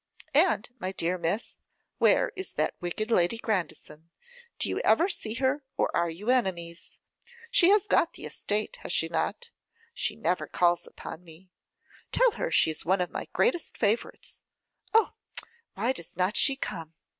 And, my dear miss, where is that wicked Lady Grandison? Do you ever see her, or are you enemies? She has got the estate, has not she? She never calls upon me. Tell her she is one of my greatest favourites. Oh! why does not she come?